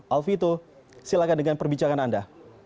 alvito silahkan dengan perbincangan anda